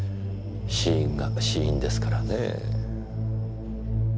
死因が死因ですからねぇ。